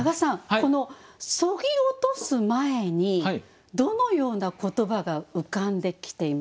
このそぎ落とす前にどのような言葉が浮かんできていましたか？